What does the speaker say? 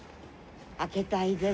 開けたいです。